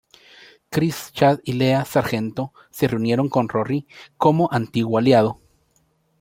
Chris, Chad y Lea "Sargento" se reunieron con Rory como antiguo aliado.